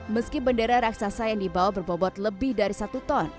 meski bendera raksasa yang dibawa berbobot lebih dari satu ton